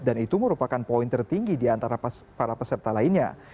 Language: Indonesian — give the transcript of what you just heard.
dan itu merupakan poin tertinggi di antara para peserta lainnya